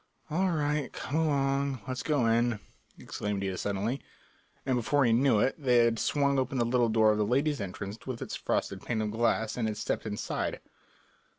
"All right, come along, let's go in," exclaimed Ida suddenly, and before he knew it they had swung open the little door of the ladies' entrance with its frosted pane of glass and had stepped inside.